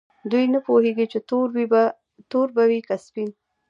دوی نه پوهیږي چې تور به وي که سپین.